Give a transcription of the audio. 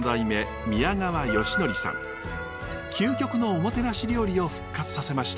究極のおもてなし料理を復活させました。